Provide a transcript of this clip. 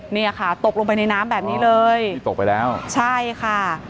เนี่ยค่ะตกลงไปในน้ำแบบนี้เลยนี่ตกไปแล้วใช่ค่ะ